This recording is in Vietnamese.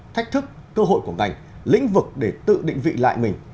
thách thức cơ hội của ngành lĩnh vực để tự định vị lại mình